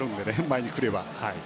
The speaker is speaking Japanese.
前に来れば。